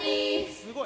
すごい。